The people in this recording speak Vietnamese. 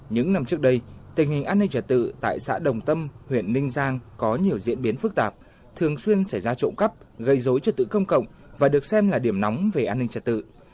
những năm trước đây tình hình an ninh trật tự tại xã đồng tâm huyện ninh giang có nhiều diễn biến phức tạp thường xuyên xảy ra trộm cắp gây dối trật tự công cộng và được xem là điểm nóng về an ninh trật tự